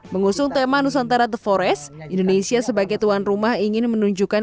mengusung tema nusantara the forest indonesia sebagai tuan rumah ingin menunjukkan